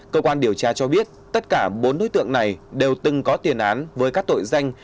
cơ quan điều tra cho biết tất cả bốn đối tượng này đều từng có tiền án với các tội danh